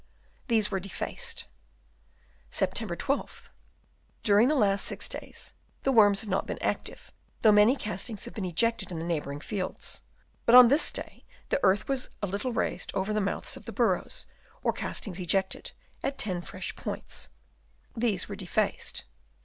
These were defaced. Sept. 12th. — During the last six days, the worms have not been active, though many castings have been ejected in the neighbour Chap. IV. OF ANCIENT BUILDINGS. 189 ing fields ; but on this day the earth was a little raised over the mouths of the burrows, or castings were ejected, at ten fresh points. These were defaced.